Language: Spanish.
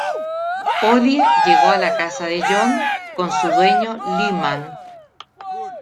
Odie llegó a la casa de Jon con su dueño Lyman.